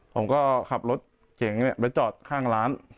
ผมก็ขับรถเก่งไปจอดข้างร้าน